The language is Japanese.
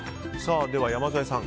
では山添さん